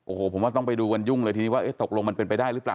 โอ้โหผมว่าต้องไปดูกันยุ่งเลยทีนี้ว่าตกลงมันเป็นไปได้หรือเปล่า